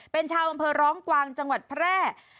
เป็นชาวอำเภอร้องกวางจังหวัดแพร่